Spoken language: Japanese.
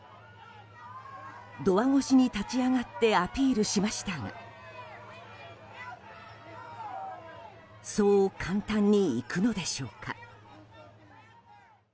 ドア越しに立ち上がってアピールしましたがそう簡単にいくのでしょうか。